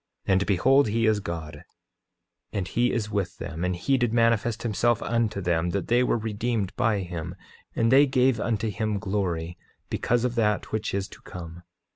8:23 And behold, he is God, and he is with them, and he did manifest himself unto them, that they were redeemed by him; and they gave unto him glory, because of that which is to come.